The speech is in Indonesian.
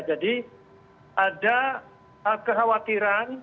jadi ada kekhawatiran